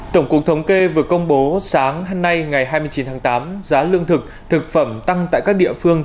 tổng cục thống kê vừa công bố sáng hôm nay ngày hai mươi chín tháng tám giá lương thực thực phẩm tăng tại các địa phương